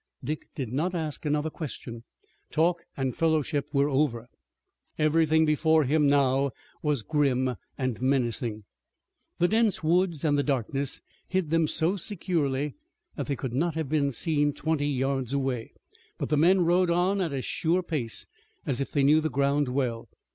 Dick did not ask another question. Talk and fellowship were over. Everything before him now was grim and menacing. The dense woods and the darkness hid them so securely that they could not have been seen twenty yards away, but the men rode on at a sure pace, as if they knew the ground well.